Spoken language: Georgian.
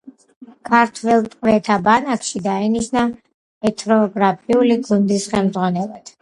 ქართველ ტყვეთა ბანაკში დაინიშნა ეთნოგრაფიული გუნდის ხელმძღვანელად.